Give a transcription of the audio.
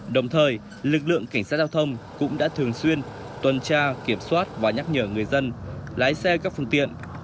đồng thời lực lượng cảnh sát giao thông cũng đã thường xuyên tuần tra kiểm soát và nhắc nhở người dân lái xe các phương tiện